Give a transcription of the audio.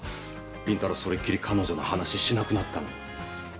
凛太郎それっきり彼女の話しなくなったの。